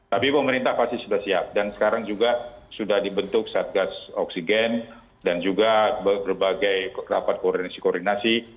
tapi pemerintah pasti sudah siap dan sekarang juga sudah dibentuk satgas oksigen dan juga berbagai rapat koordinasi koordinasi